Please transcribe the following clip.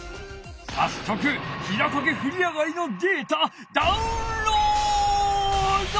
さっそくひざかけふりあがりのデータダウンロ−ド！